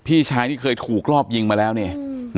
พี่ชายนี่เคยถูกรอบยิงมาแล้วเนี่ย